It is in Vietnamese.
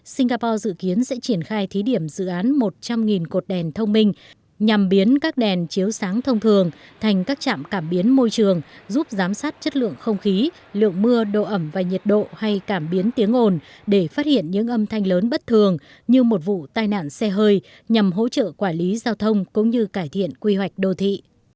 sự kiến sẽ triển khai thí điểm dự án một trăm linh cột đèn thông minh nhằm biến các đèn chiếu sáng thông thường thành các trạm cảm biến môi trường giúp giám sát chất lượng không khí lượng mưa độ ẩm và nhiệt độ hay cảm biến tiếng ồn để phát hiện những âm thanh lớn bất thường như một vụ tai nạn xe hơi nhằm hỗ trợ quản lý giao thông cũng như cải thiện quy hoạch đô thị